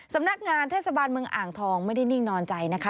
สำนักงานเทศบาลเมืองอ่างทองไม่ได้นิ่งนอนใจนะคะ